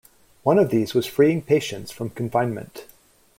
One of these was freeing patients from confinement.